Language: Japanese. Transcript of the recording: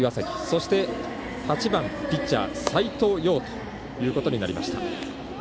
そして、８番ピッチャー斎藤蓉ということになりました。